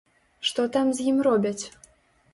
Што там з ім робяць?